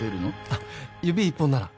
あっ指一本なら